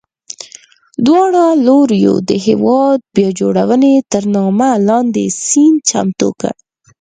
دواړو لورو د هېواد بیا جوړونې تر نامه لاندې سند چمتو کړ.